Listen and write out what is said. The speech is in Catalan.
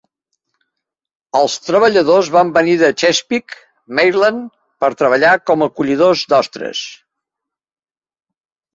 Els treballadors van venir de Chesapeake, Maryland, per treballar com a collidors d'ostres.